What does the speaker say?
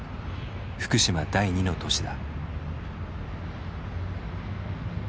福島第２の都市だ。